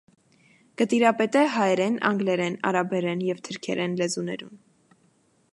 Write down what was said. Կը տիրապետէ հայերէն, անգլերէն, արաբերէն եւ թրքերէն լեզուներուն։